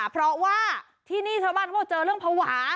เพราะว่าที่นี่ชาวบ้านเขาบอกเจอเรื่องภาวะ